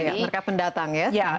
mereka pendatang ya